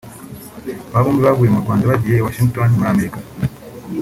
Aba bombi bavuye mu Rwanda bagiye i Washington muri Amerika